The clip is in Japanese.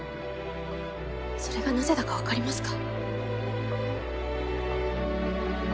それがなぜだかわかりますか？